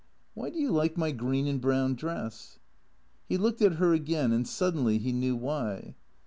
" Why do you like my green and brown dress ?" He looked at her again and suddenly he knew why.